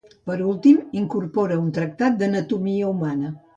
Per últim incorpora un tractat d'anatomia humana.